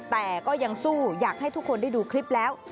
แต่ก็ยังสู้อยากให้ทุกคนได้ดูคลิปแล้ว